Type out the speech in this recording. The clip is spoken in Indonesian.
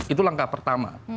itu langkah pertama